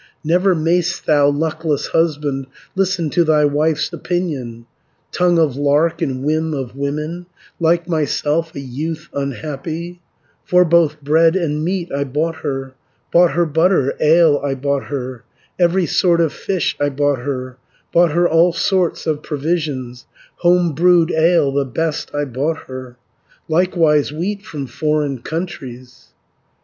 "Never may'st thou, luckless husband, Listen to thy wife's opinion, 270 Tongue of lark, and whim of women, Like myself, a youth unhappy, For both bread and meat I bought her, Bought her butter, ale I bought her, Every sort of fish I bought her, Bought her all sorts of provisions, Home brewed ale the best I bought her, Likewise wheat from foreign countries.